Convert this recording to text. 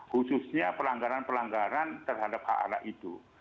khususnya pelanggaran pelanggaran terhadap hak anak itu